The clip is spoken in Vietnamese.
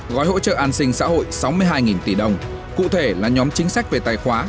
gói hỗ trợ an sinh xã hội sáu mươi hai tỷ đồng cụ thể là nhóm chính sách về tài khoá